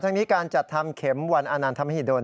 ทั้งนี้การจัดทำเข็มวันอนันต์ธรรมฮิดล